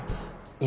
今。